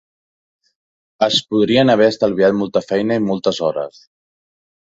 Es podrien haver estalviat molta feina i moltes hores.